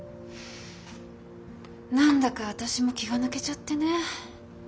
何だか私も気が抜けちゃってね。